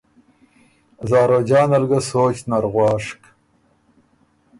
زاروجانه ل ګۀ سوچ نر غواشک